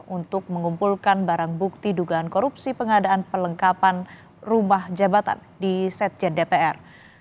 untuk mengumpulkan barang bukti dugaan korupsi pengadaan pelengkapan rumah jabatan di setjen dpr